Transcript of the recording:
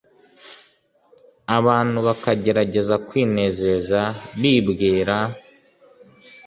abantu bakagerageza kwinezeza bibwira